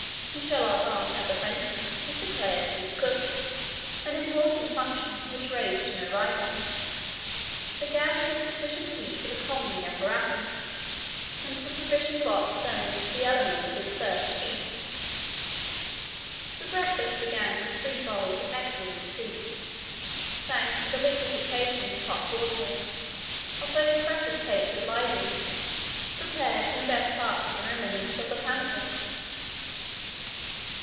Michel Ardan, as a Frenchman, was declared chief cook, an important function, which raised no rival. The gas gave sufficient heat for the culinary apparatus, and the provision box furnished the elements of this first feast. The breakfast began with three bowls of excellent soup, thanks to the liquefaction in hot water of those precious cakes of Liebig, prepared from the best parts of the ruminants of the Pampas.